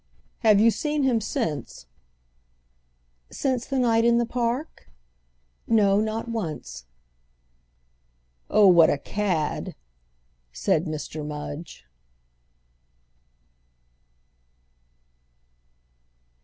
"Have you seen him since?" "Since the night in the Park? No, not once." "Oh, what a cad!" said Mr. Mudge.